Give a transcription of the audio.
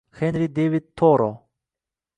Henri Devid Toro